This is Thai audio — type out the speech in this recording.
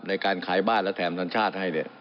ในการขายบ้านและแถมสัญชาติให้เนี่ย